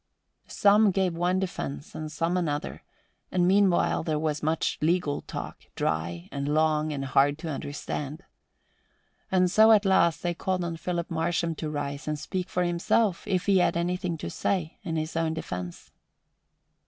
Some gave one defense and some another; and meanwhile there was much legal talk, dry and long and hard to understand. And so at last they called on Philip Marsham to rise and speak for himself if he had anything to say in his own defense.